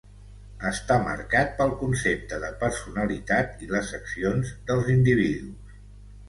Està marcat pel concepte de personalitat i les accions dels individus.